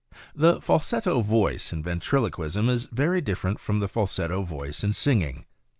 The falsetto voice in Ventriloquism is very different from the falsetto voice in singing.